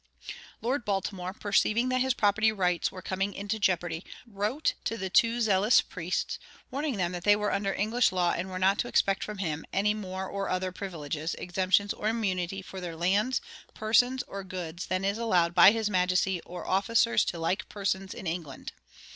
Lord Baltimore, perceiving that his property rights were coming into jeopardy, wrote to the too zealous priests, warning them that they were under English law and were not to expect from him "any more or other privileges, exemptions, or immunities for their lands, persons, or goods than is allowed by his Majesty or officers to like persons in England."